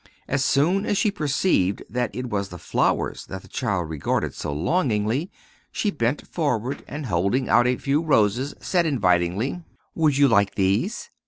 As soon as she perceived that it was her flowers that the child regarded so longingly, she bent forward, and holding out a few roses, said invitingly, "Would you like these?"